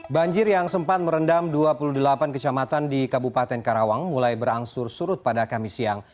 banjir yang sempat merendam dua puluh delapan kecamatan di kabupaten karawang mulai berangsur surut pada kamis siang